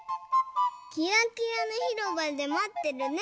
「キラキラのひろばでまってるね。